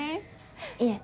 いえ。